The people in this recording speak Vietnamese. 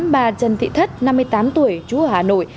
bà trần thị thất năm mươi tám tuổi chú ở hà nội